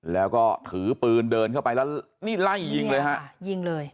แล้วก็ถือปืนเดินเข้าไปแล้วไล่ยิงเลยครับ